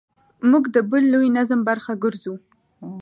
موږ د بل لوی نظم برخه ګرځو.